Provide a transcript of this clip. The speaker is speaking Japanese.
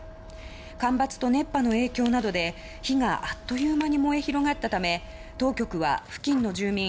干ばつと熱波の影響などで火があっという間に燃え広がったため当局は付近の住民